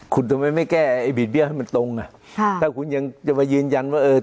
คุณทำไมไม่แก้ไอ้บีดเบี้ยให้มันตรงอ่ะค่ะถ้าคุณยังจะมายืนยันว่าเออ